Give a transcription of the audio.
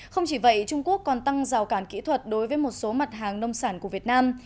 không chỉ vậy trung quốc còn tăng rào cản kỹ thuật đối với một số mặt hàng nông sản của việt nam